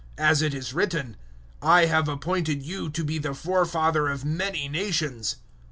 As it is written, "I have appointed you to be the forefather of many nations."